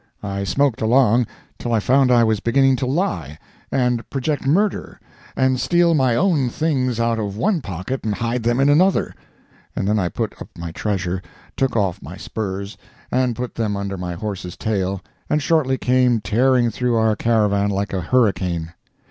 I smoked along till I found I was beginning to lie, and project murder, and steal my own things out of one pocket and hide them in another; and then I put up my treasure, took off my spurs and put them under my horse's tail, and shortly came tearing through our caravan like a hurricane.